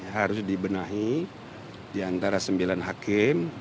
harus dibenahi diantara sembilan hakim